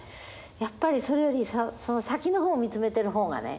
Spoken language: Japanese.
やっぱりそれより先の方を見つめてる方がね